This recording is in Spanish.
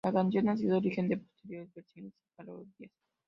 La canción ha sido origen de posteriores versiones y parodias.